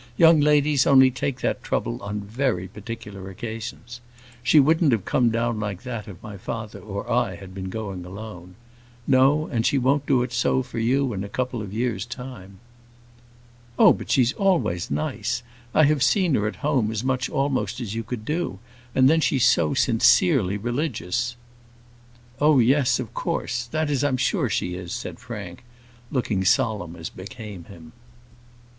"Young ladies only take that trouble on very particular occasions. She wouldn't have come down like that if my father or I had been going alone. No, and she won't do so for you in a couple of years' time." "Oh, but she's always nice. I have seen her at home as much almost as you could do; and then she's so sincerely religious." "Oh, yes, of course; that is, I am sure she is," said Frank, looking solemn as became him.